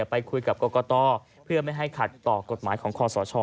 ไปคุยกับกรกตเพื่อไม่ให้ขัดต่อกฎหมายของคอสช